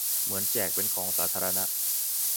เหมือนแจกเป็นของสาธารณะ